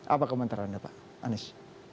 apa komentar anda pak anies